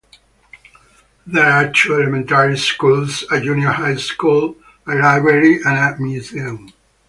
There are two elementary schools, a junior high school, a library and a museum.